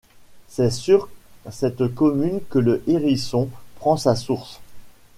C'est sur cette commune que le Hérisson prend sa source.